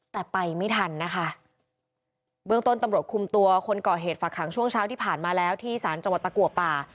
แต่ไปไม่ทันนะคะเบื้องต้นตำรวจคุมตัวคนก่อเหตุฝากหางช่วงเช้าที่ผ่านมาแล้วที่สารจังหวัดตะกัวป่า